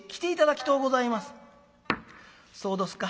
「そうどすか。